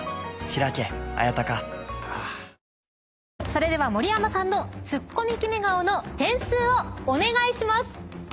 それでは盛山さんのツッコミキメ顔の点数をお願いします。